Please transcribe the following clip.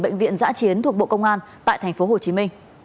bệnh viện giã chiến thuộc bộ công an tại tp hcm